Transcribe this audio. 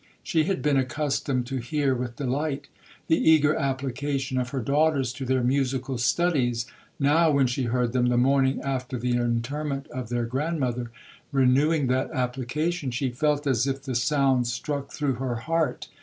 She had been accustomed to hear, with delight, the eager application of her daughters to their musical studies;—now—when she heard them, the morning after the interment of their grandmother, renewing that application—she felt as if the sounds struck through her heart.